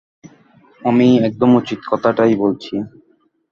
আমি একদম উচিত কথাটাই বলছি।